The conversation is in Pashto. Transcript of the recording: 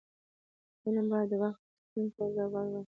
فلم باید د وخت غوښتنو ته ځواب ورکړي